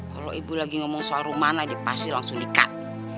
kalau ibu lagi ngomong soal rumah pasti langsung dikat